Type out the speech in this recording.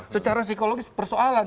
secara psikologis persoalan